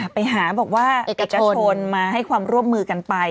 ไปหาบอกว่าเอกชนมาให้ความร่วมมือกันไป